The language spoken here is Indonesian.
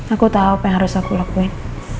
aku tahu apa yang harus aku lakuin